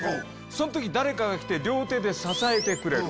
その時誰かが来て両手で支えてくれる。